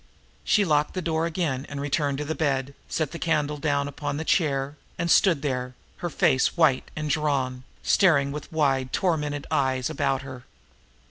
She locked the door again, returned to the bed, set the candle down upon the chair, and stood there, her face white and drawn, staring with wide, tormented eyes about her.